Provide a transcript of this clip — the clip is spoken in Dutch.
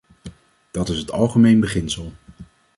Dat is het algemeen beginsel.